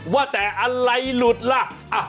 ว่าแต่อะไรหลุดล่ะ